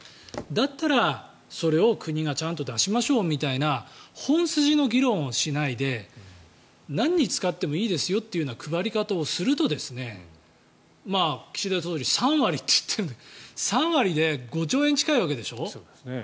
だったらそれを国がちゃんと出しましょうみたいな本筋の議論をしないで何に使ってもいいですよみたいな配り方をすると岸田総理は３割って言ってるけど３割で５兆円近いわけでしょ。